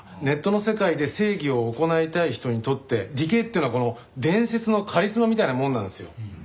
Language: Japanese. ネットの世界で正義を行いたい人にとってディケーっていうのは伝説のカリスマみたいなものなんですよ。